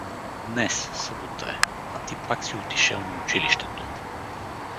Днес, събота е, а ти пак си отишел на училището.